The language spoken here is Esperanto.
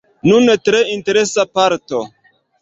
Nun tre interesa parto.